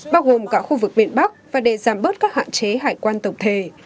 bao gồm cả khu vực miền bắc và để giảm bớt các hạn chế hải quan tổng thể